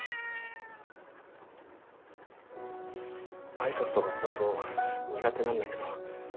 挨拶とか本当苦手なんだけど。